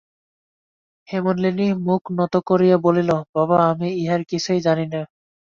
হেমনলিনী মুখ নত করিয়া বলিল, বাবা, আমি ইহার কিছুই জানি না।